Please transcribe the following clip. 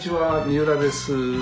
三浦です。